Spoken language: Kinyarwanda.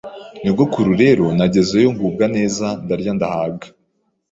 nyogokuru rero nagezeyo ngubwa neza ndarya ndahaga,